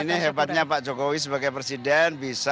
ini hebatnya pak jokowi sebagai presiden bisa